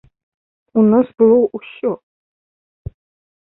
У нас было ўсё.